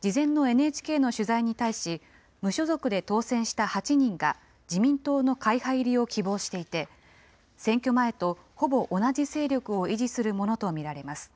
事前のＮＨＫの取材に対し、無所属で当選した８人が、自民党の会派入りを希望していて、選挙前とほぼ同じ勢力を維持するものと見られます。